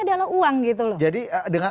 adalah uang gitu loh jadi dengan